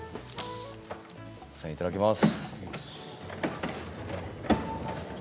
いただきます。